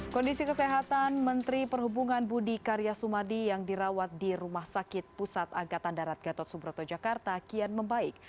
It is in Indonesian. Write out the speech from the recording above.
kondisi kesehatan menteri perhubungan budi karya sumadi yang dirawat di rumah sakit pusat agatan darat gatot subroto jakarta kian membaik